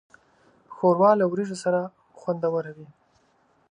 ښوروا له وریژو سره خوندوره وي.